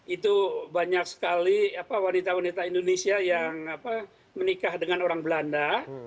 itu banyak sekali wanita wanita indonesia yang menikah dengan orang belanda